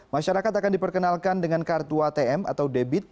masyarakat akan diperkenalkan dengan kartu atm atau debit